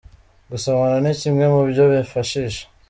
Gusomana ni kimwe mu byo bifashisha.